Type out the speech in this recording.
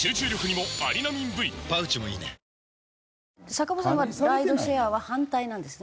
坂本さんはライドシェアは反対なんですね？